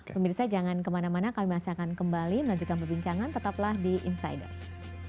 pemirsa jangan kemana mana kami masih akan kembali melanjutkan perbincangan tetaplah di insiders